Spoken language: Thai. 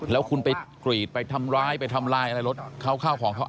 แล้วคุณไปกรีดไปทำร้ายไปทำลายอะไรรถเขาเข้าของเขา